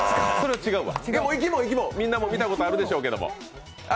生き物、みんなも見たことあるでしょうけども。